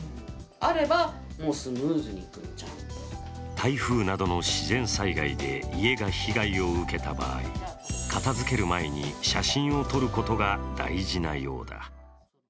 台風などの自然災害で家が被害を受けた場合、片づける前に写真を撮ることが大事なようだ。